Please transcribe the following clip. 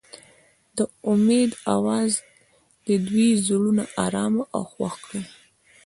د امید اواز د دوی زړونه ارامه او خوښ کړل.